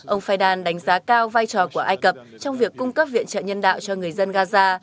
ông faidan đánh giá cao vai trò của ai cập trong việc cung cấp viện trợ nhân đạo cho người dân gaza